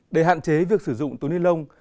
để hạn chế việc sử dụng túi ni lông